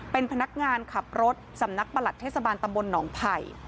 เป็นพนักงานขับรถสำนักประหลัดเทศบาลตำบลหนองไผ่